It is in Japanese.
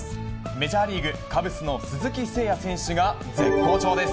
メジャーリーグ・カブスの鈴木誠也選手が絶好調です。